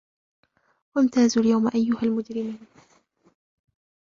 وَامْتَازُوا الْيَوْمَ أَيُّهَا الْمُجْرِمُونَ